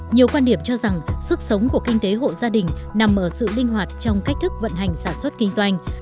nhiều quan điểm cho rằng sức sống của kinh tế hộ gia đình nằm ở sự linh hoạt trong cách thức vận hành sản xuất kinh doanh